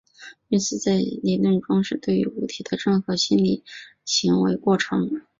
运思在皮亚杰理论中是对于物体的任何心理行为过程。